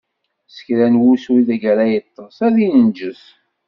Kra n wusu ideg ara yeṭṭeṣ, ad inǧes.